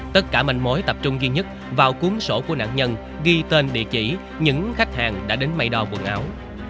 tất cả mình mối tập trung duy nhất vào cuốn sổ của nạn nhân ghi tên địa chỉ những khách hàng đã đến mây đo quần áo